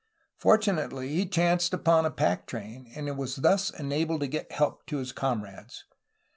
Fortunately he chanced upon a pack train, and was thus enabled to get help to his comrades.